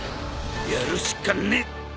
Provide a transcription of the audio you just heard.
やるしかねえ！